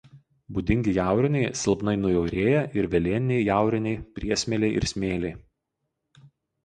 Būdingi jauriniai silpnai nujaurėję ir velėniniai jauriniai priesmėliai ir smėliai.